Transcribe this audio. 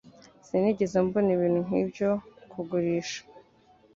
Sinigeze mbona ibintu nkibyo kugurisha.